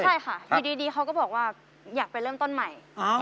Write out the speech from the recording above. ใช่ค่ะอยู่ดีเขาก็บอกว่าอยากไปเริ่มต้นใหม่